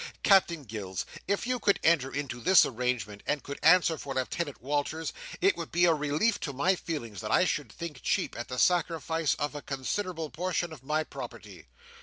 Captain Gills, if you could enter into this arrangement, and could answer for Lieutenant Walters, it would be a relief to my feelings that I should think cheap at the sacrifice of a considerable portion of my property."